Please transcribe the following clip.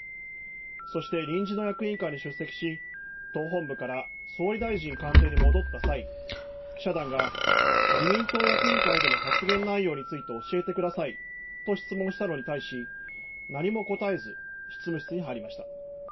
そして臨時の役員会に出席し党本部から総理大臣官邸に戻った際、記者団が自民党役員会での発言内容について教えてくださいと質問したのに対し何も答えず、執務室に入りました。